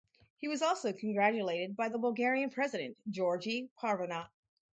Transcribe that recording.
He was also congratulated by the Bulgarian President Georgi Parvanov.